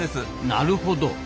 なるほど。